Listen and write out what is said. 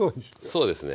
そうですね。